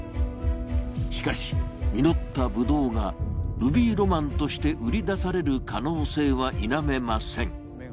しかし、実ったぶどうがルビーロマンとして売り出される可能性は否めません。